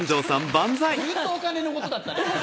ずっとお金のことだったね。